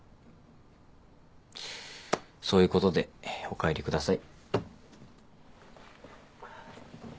そういうことでお帰りください。